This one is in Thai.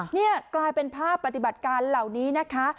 นี่กลายเป็นภาพปฏิบัติการเหล่านี้นะคะ